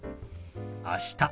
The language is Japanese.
「あした」。